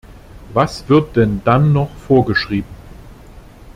Was wird denn dann noch vorgeschrieben?